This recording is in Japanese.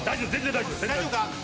大丈夫か？